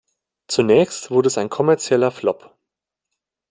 Zunächst wurde es ein kommerzieller Flop.